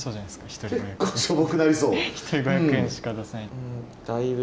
一人５００円しか出せない。